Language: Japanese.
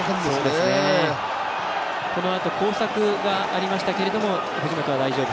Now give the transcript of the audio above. このあと交錯がありましたけども藤本は大丈夫。